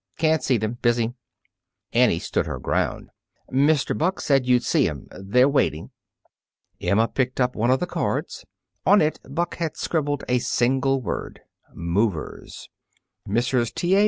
"Can't see them. Busy." Annie stood her ground. "Mr. Buck said you'd see 'em. They're waiting." Emma picked up one of the cards. On it Buck had scribbled a single word: "Movers." Mrs. T. A.